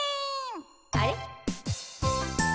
あれ？